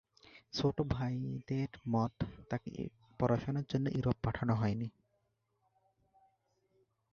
তার ছোট ভাইদের মত তাকে পড়াশোনার জন্য ইউরোপ পাঠানো হয়নি।